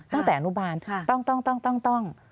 ตั้งแต่อนุบาลต้อง